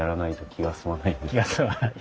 気が済まない。